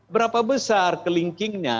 berapa besar kelingkingnya